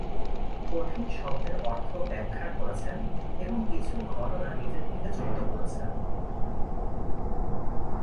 কঠিন শব্দের অর্থ ব্যাখ্যা করেছেন এবং কিছু ঘটনা নিজের থেকে যুক্ত করেছেন।